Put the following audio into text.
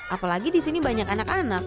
apalagi di sini banyak anak anak